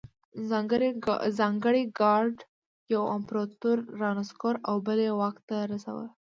ځانګړي ګارډ یو امپرتور رانسکور او بل یې واک ته رساوه